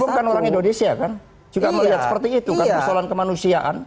jadi bukan orang indonesia kan juga melihat seperti itu kan persoalan kemanusiaan